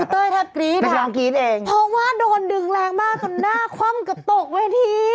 เพราะว่าโดนดึงแรงมากต้นหน้าคว่ำกระตกเวที